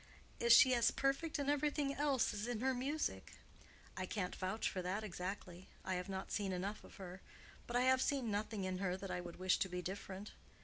"Is she as perfect in every thing else as in her music?" "I can't vouch for that exactly. I have not seen enough of her. But I have seen nothing in her that I could wish to be different.